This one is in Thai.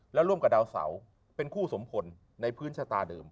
แล้วร่วมกับดาวเสาเป็นคู่สมพลในพื้นชะตาเดิม